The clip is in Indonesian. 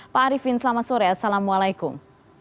pak arifin selamat sore assalamualaikum